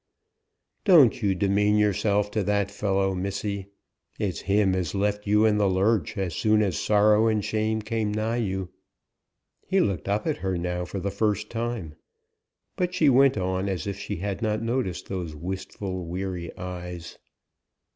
"Don't you demean yourself to that fellow, missy. It's him as left you in the lurch as soon as sorrow and shame came nigh you." He looked up at her now, for the first time; but she went on as if she had not noticed those wistful, weary eyes.